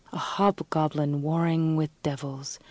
A hobgoblin warring with devils!